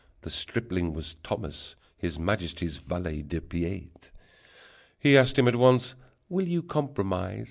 The stripling was Thomas, His Majesty's valet de pied! He asked him at once: "Will you compromise?"